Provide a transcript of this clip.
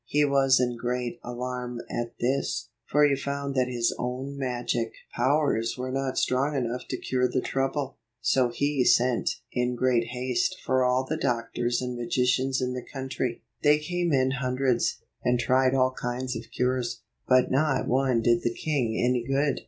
He was in great alarm at this, for he found that his own magic 155 powers were not strong enough to cure the trouble. So he sent in great haste for all the doctors and magicians in the country. They came in hundreds, and tried all kinds of cures, but not one did the king any good.